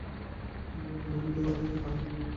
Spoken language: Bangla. সে যাহা কিছু করিতে চায়, তাহাতেই নিয়মের বাধা।